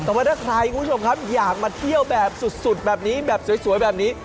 แต่ว่าถ้าใครคุณผู้ชมครับอยากมาเที่ยวแบบสุดแบบนี้แบบสวยแบบนี้